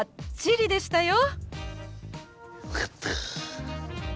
よかった！